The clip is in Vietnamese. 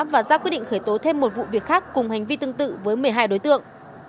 và ra quyết định khởi tố thêm một vụ việc khác cùng hành vi tương tự với một mươi hai đối tượng